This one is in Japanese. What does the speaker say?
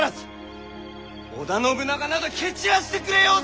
織田信長など蹴散らしてくれようぞ！